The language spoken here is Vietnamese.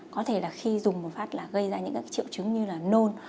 có thể là khi dùng một phát là gây ra những triệu chứng như là nôn